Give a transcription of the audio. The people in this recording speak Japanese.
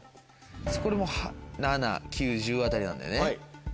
これもう７９１０あたりなんだよね。